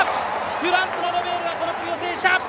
フランスのロベールがこの組を制した！